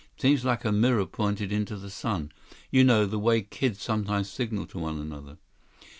Seems like a mirror pointed into the sun—you know, the way kids sometimes signal to one another."